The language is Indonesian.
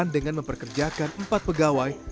kita memperkenalkan ke buah daun